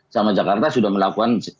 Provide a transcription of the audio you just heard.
sama jakarta sudah melakukan